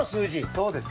そうです